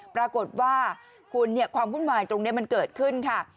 ปรากฏว่าคุณความวุ่นวายตรงนี้มันเกิดขึ้นค่ะ